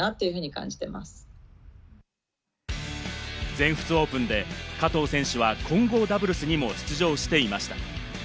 全仏オープンで、加藤選手は混合ダブルスにも出場していました。